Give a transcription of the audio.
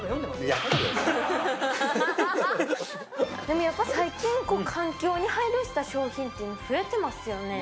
でもやっぱ最近こう環境に配慮した商品っていうの増えてますよね